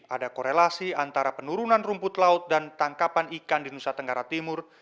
ada korelasi antara penurunan rumput laut dan tangkapan ikan di nusa tenggara timur